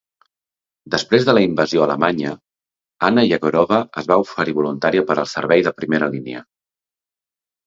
Després de la invasió alemanya, Anna Yegorova es va oferir voluntària per al servei de primera línia.